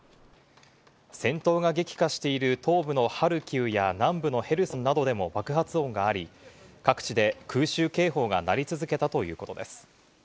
戦闘が激化している東部のハルキウや南部のヘルソンなどでも爆発音があり、各地で空襲警報が鳴り続けたということです。